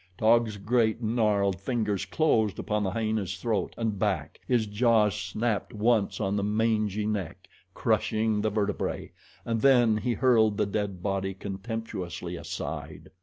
Taug's great, gnarled fingers closed upon the hyena's throat and back, his jaws snapped once on the mangy neck, crushing the vertebrae, and then he hurled the dead body contemptuously aside.